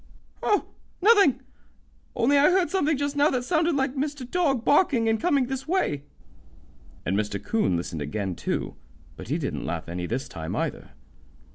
"Oh, nothing; only I heard something just now that sounded like Mr. Dog barking and coming this way." And Mr. 'Coon listened again, too, but he didn't laugh any this time, either.